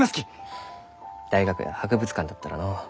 大学や博物館だったらのう。